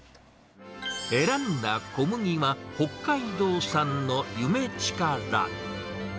選んだ小麦は、北海道産のゆめちから。